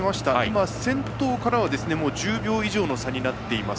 今、先頭からは１０秒以上の差になっています。